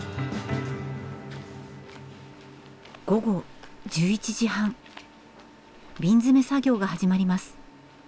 午後１１時半瓶詰め作業が始まります。